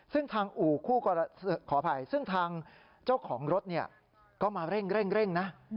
ซึ่งทางอู่ขออภัยซึ่งทางเจ้าของรถเนี่ยก็มาเร่งเร่งเร่งนะ